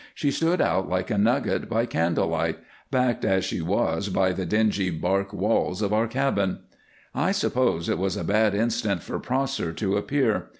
She stood out like a nugget by candle light, backed as she was, by the dingy bark walls of our cabin. I suppose it was a bad instant for Prosser to appear.